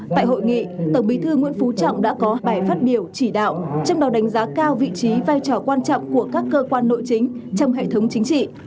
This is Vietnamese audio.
tại hội nghị tổng bí thư nguyễn phú trọng đã có bài phát biểu chỉ đạo trong đó đánh giá cao vị trí vai trò quan trọng của các cơ quan nội chính trong hệ thống chính trị